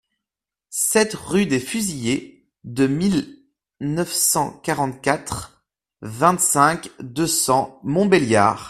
sept rue des Fusillés de mille neuf cent quarante-quatre, vingt-cinq, deux cents, Montbéliard